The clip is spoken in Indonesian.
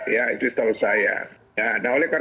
ya itu yang setahu saya